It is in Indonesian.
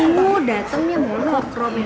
umu datengnya mulu